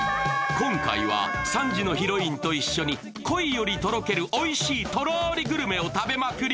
今回は３時のヒロインと一緒に恋よりとろけるおいしいとろりグルメを食べまくり。